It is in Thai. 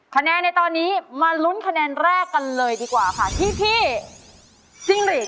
คะแนนในตอนนี้มาลุ้นคะแนนแรกกันเลยดีกว่าค่ะที่พี่จิ้งหลีด